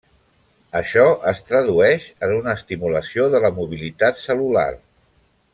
Això es tradueix en una estimulació de la mobilitat cel·lular.